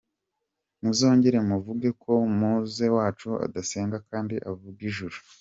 Muzongere muvuge ko muzee wacu adasenga kandi avuga ijuru.